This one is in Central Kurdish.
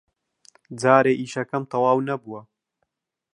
جارێ ئیشەکەم تەواو نەبووە.